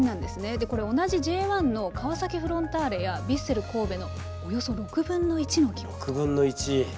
でこれ同じＪ１の川崎フロンターレやヴィッセル神戸のおよそ６分の１の規模と。